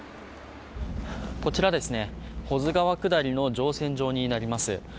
こちら、保津川下りの乗船場になります。